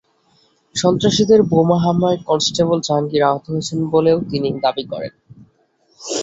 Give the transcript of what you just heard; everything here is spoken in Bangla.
সন্ত্রাসীদের বোমা হামলায় কনস্টেবল জাহাঙ্গীর আহত হয়েছেন বলেও তিনি দাবি করেন।